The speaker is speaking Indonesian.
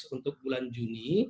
untuk bulan juni